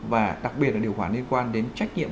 và đặc biệt là điều khoản liên quan đến trách nhiệm